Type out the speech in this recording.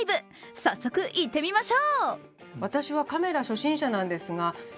早速いってみましょう。